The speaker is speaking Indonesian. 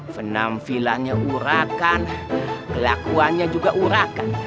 penampilannya urakan kelakuannya juga urakan